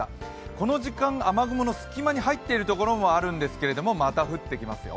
この時間、雨雲の隙間に入っているところもあるんですけどまた降ってきますよ。